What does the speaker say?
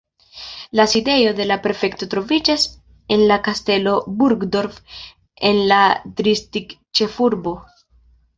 La sidejo de la prefekto troviĝas en la Kastelo Burgdorf en la distriktĉefurbo.